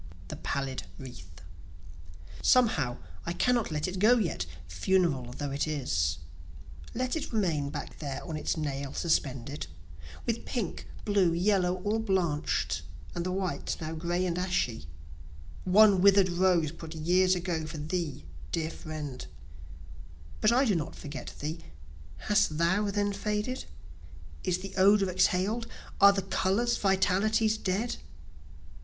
The Pallid Wreath Somehow I cannot let it go yet, funeral though it is, Let it remain back there on its nail suspended, With pink, blue, yellow, all blanch'd, and the white now gray and ashy, One wither'd rose put years ago for thee, dear friend; But I do not forget thee. Hast thou then faded? Is the odor exhaled? Are the colors, vitalities, dead?